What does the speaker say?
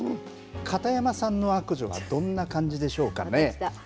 片山さんの悪女はどんな感じでしょうかね。